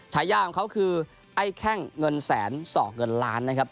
ฉายาของเขาคือไอ้แข้งเงินแสนสอกเงินล้านนะครับ